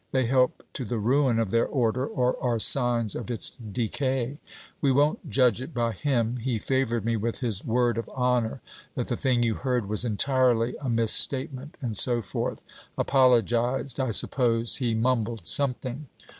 They help to the ruin of their order, or are signs of its decay. We won't judge it by him. He favoured me with his "word of honour" that the thing you heard was entirely a misstatement, and so forth: apologized, I suppose. He mumbled something.'